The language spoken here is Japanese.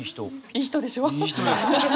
いい人でしょ？